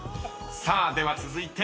［さあでは続いて］